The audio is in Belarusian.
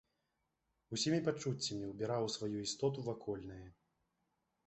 Усімі пачуццямі ўбіраў у сваю істоту вакольнае.